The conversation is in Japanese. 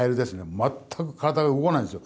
全く体が動かないんですよ。